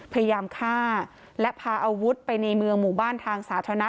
พยายามฆ่าและพาอาวุธไปในเมืองหมู่บ้านทางสาธารณะ